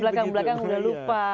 belakang belakang sudah lupa